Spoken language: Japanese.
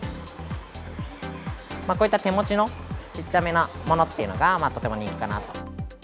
こういった手持ちのちっちゃめなものっていうのがとても人気かな。